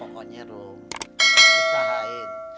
pokoknya ruh usahain